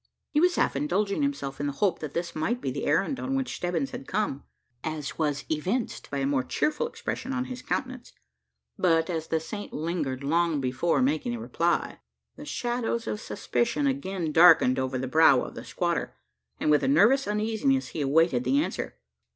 He was half indulging himself in the hope that this might be the errand on which Stebbins had come: as was evinced by a more cheerful expression, on his countenance; but, as the Saint lingered long before making a reply, the shadows of suspicion again darkened over the brow of the squatter; and with a nervous uneasiness, he awaited the answer.